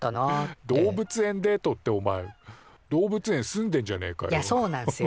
動物園デートっておまえ動物園住んでんじゃねえかよ。